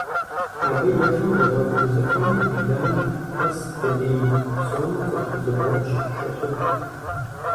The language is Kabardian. Абы ефэм игъуэт узыфэм медан къэс дуней псом цӀыху зыбгъупщӀ щолӀыкӀ.